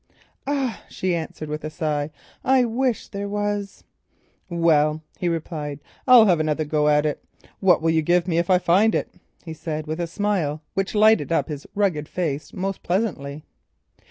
"Ah," she answered with a sigh, "I wish there was." "Well, I'll have another try at it. What will you give me if I find it out?" he said with a smile which lighted up his rugged face most pleasantly.